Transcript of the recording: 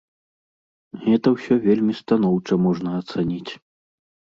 Гэта ўсё вельмі станоўча можна ацаніць.